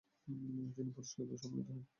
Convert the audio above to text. তিনি পুরস্কৃত ও সম্মানিত হন।